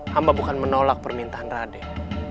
hamba bukan menolak permintaan raden